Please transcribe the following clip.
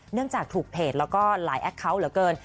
จากถูกเพจแล้วก็หลายแอคเคาน์เหลือเกิน